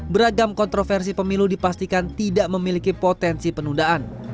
beragam kontroversi pemilu dipastikan tidak memiliki potensi penundaan